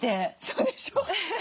そうでしょ。